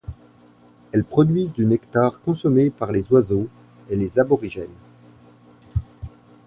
Elles produisent du nectar consommé par les oiseaux et les Aborigènes.